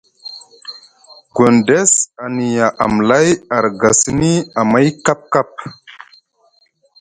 Gondes a niya amlay a rga sini amay kapkap.